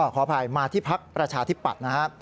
ขออภัยมาที่พักประชาธิปัตย์นะครับ